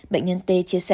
bệnh nhân t chia sẻ